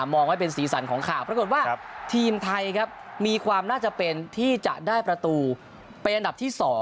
มองไว้เป็นสีสันของข่าวปรากฏว่าทีมไทยครับมีความน่าจะเป็นที่จะได้ประตูเป็นอันดับที่๒